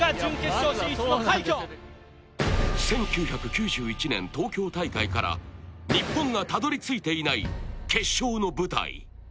１９９１年東京大会から、日本がたどり着いていない決勝の舞台。